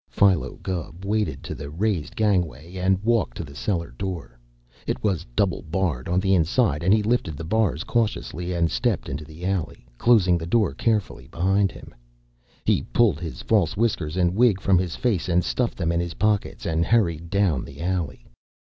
Philo Gubb waded to the raised gangway and walked to the cellar door. It was double barred on the inside, and he lifted the bars cautiously and stepped into the alley, closing the door carefully behind him. He pulled his false whiskers and wig from his face and stuffed them in his pockets and hurried down the alley.